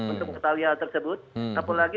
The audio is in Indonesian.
untuk mengetahui hal tersebut apalagi